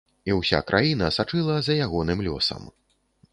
І ўся краіна сачыла за ягоным лёсам.